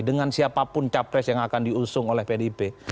dengan siapapun capres yang akan diusung oleh pdip